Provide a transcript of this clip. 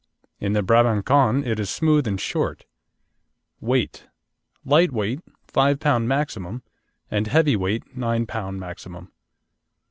In the Brabancon it is smooth and short. WEIGHT Light weight, 5 lb. maximum; and heavy weight, 9 lb. maximum.